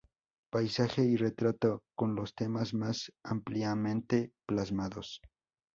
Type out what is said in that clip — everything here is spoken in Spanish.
Paisaje y retrato son los temas más ampliamente plasmados.